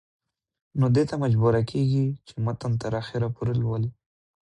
نو دې ته مجبوره کيږي چې متن تر اخره پورې لولي